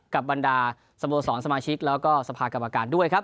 บรรดาสโมสรสมาชิกแล้วก็สภากรรมการด้วยครับ